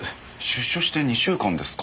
出所して２週間ですか。